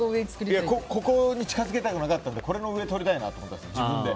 ここに近づけたくなかったのでこれの上をとりたかったんですよ。